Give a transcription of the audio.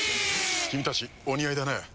君たちお似合いだね。